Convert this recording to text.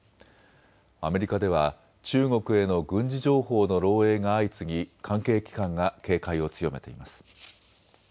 アメリカでは中国への軍事情報の漏えいが相次ぎ、関係機関が警戒を強めています。